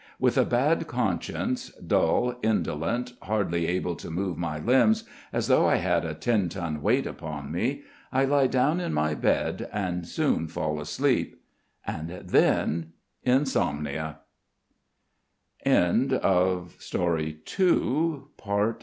With a bad conscience, dull, indolent, hardly able to move my limbs, as though I had a ten ton weight upon me, I lie down in my bed and soon fall asleep. And then insomnia. IV The summer comes and life changes.